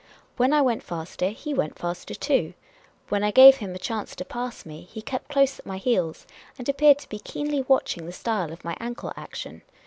When I went faster, he went faster too ; when I gave him a chance to pass me, he kept close at my heels, and appeared to be keenly watching the style of my ankle action.